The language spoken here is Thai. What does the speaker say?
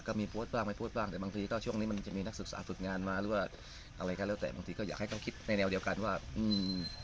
ก็มีโพสต์บ้างไม่โพสต์บ้างแต่บางทีก็ช่วงนี้มันจะมีนักศึกษาฝึกงานมาหรือว่าอะไรก็แล้วแต่บางทีก็อยากให้เขาคิดในแนวเดียวกันว่าอืม